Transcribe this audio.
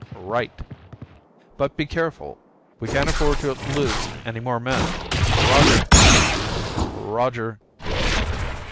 "Right!" "But be careful. We can't afford to lose any more men! Roger!" "Roger!"